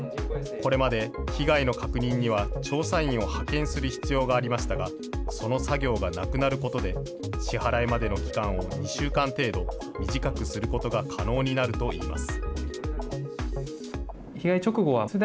これまで被害の確認には調査員を派遣する必要がありましたが、その作業がなくなることで、支払いまでの期間を２週間程度、短くすることが可能になるといいます。